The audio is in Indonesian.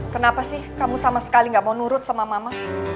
kenapa sih kamu sama sekali gak mau nurut sama mama